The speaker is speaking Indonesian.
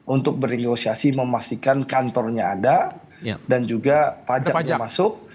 untuk bernegosiasi memastikan kantornya ada dan juga pajaknya masuk